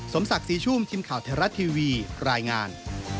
สมศักดิ์ศรีชุ่มทีมข่าวไทยรัฐทีวีรายงาน